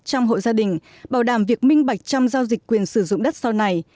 trong hội gia đình bảo đảm việc minh bạch trong giao dịch quyền sử dụng đất sau này